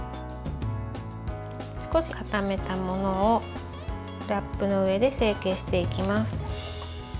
少し固めたものをラップの上で成形していきます。